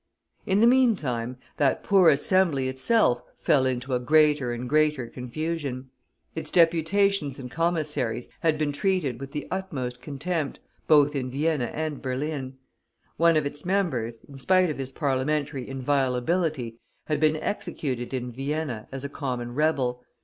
In the meantime, that poor Assembly itself fell into a greater and greater confusion. Its deputations and commissaries had been treated with the utmost contempt, both in Vienna and Berlin; one of its members, in spite of his parliamentary inviolability, had been executed in Vienna as a common rebel.